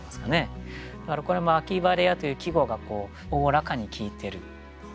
これも「秋晴れや」という季語がおおらかに効いてる。